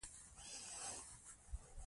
د ده خبرې د ولس لپاره دي.